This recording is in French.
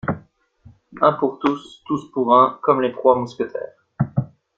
Un pour tous, tous pour un, comme les trois mousquetaires